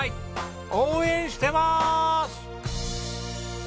応援してます！